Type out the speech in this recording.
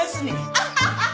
アハハハ。